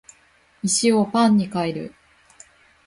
石をパンに変える